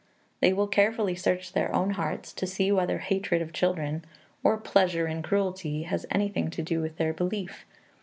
They will carefully search their own hearts to see whether hatred of children or pleasure in cruelty has anything to do with their belief.